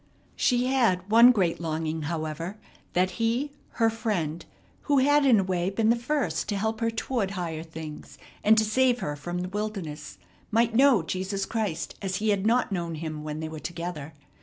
She had one great longing, however, that he, her friend, who had in a way been the first to help her toward higher things, and to save her from the wilderness, might know Jesus Christ as he had not known Him when they were together.